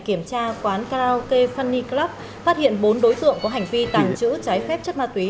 kiểm tra quán karaoke funy club phát hiện bốn đối tượng có hành vi tàng trữ trái phép chất ma túy